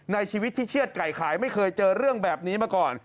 ในชีวิตที่เชื่อดไก่ขายไม่เคยเจอเรื่องแบบนี้มาก่อน